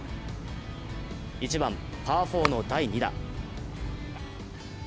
１番パー４の第２打。